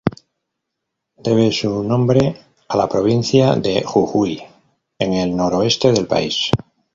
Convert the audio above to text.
Debe su nombre a la provincia de Jujuy, en el noroeste del país.